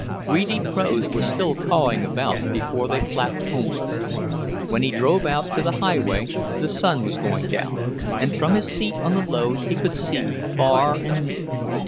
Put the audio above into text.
Greedy crows were still cawing about before they flapped homeward. When he drove out to the highway, the sun was going down, and from his seat on the load he could see far and near.